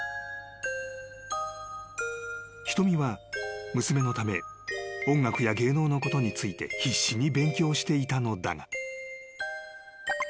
［ひとみは娘のため音楽や芸能のことについて必死に勉強していたのだが］